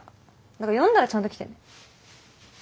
だから呼んだらちゃんと来てね。